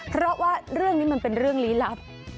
เพราะว่าเรื่องนี้มันเป็นเรื่องลี้ลับ